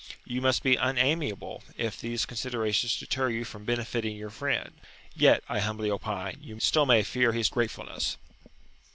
You must be unamiable if these considerations deter you from benefiting your friend; yet, I humbly opine, you still may fear his gratefulness.